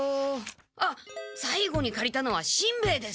あっさいごにかりたのはしんべヱです。